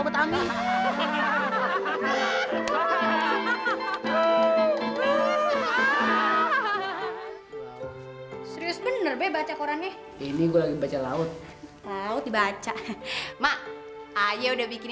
ket offerings ju ces bener op baca qurannya ini gue aja baca laut beautiful ma traje udah